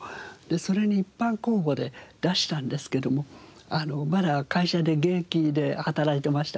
それに一般公募で出したんですけどもまだ会社で現役で働いてましたから。